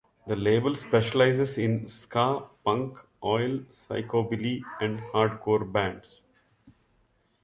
The label specializes in ska, punk, oi!, psychobilly and hardcore bands.